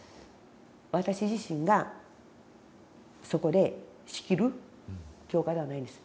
私自身がそこで仕切る教会ではないんです。